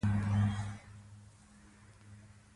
د پیسو مینه باید زړه تور نکړي.